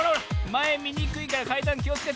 まえみにくいからかいだんきをつけて。